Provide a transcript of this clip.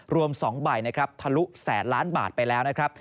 รวม๒ใบนะครับทะลุแสนล้านบาทไปแล้วนะครับ